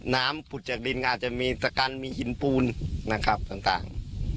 ผุดจากดินก็อาจจะมีตะกันมีหินปูนนะครับต่าง